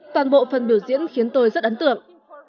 toàn bộ phần biểu diễn khiến tôi rất ấn tượng